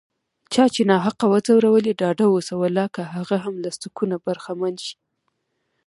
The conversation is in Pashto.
چا چې ناحقه وځورولي، ډاډه اوسه والله که هغه هم له سکونه برخمن شي